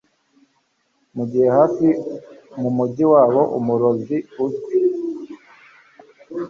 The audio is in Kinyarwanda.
Mugihe bafite mumujyi wabo umurozi uzwi